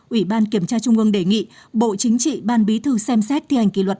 ủy ban kiểm tra trung ương đề nghị bộ chính trị ban bí thư xem xét thi hành kỳ luật